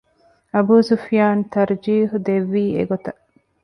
އަބޫސުފްޔާނު ތަރްޖީޙު ދެއްވީ އެގޮތަށް